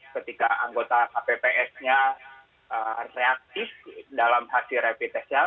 ketika anggota kpps nya reaktif dalam hasil rapid testnya